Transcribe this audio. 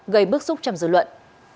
gây bức xúc trong dư luận